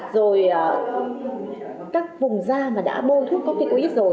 rồi các vùng da mà đã bôi thuốc corticoid rồi